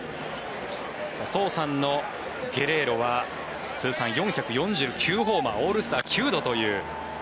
お父さんのゲレーロは通算４４９ホーマーオールスター９度という。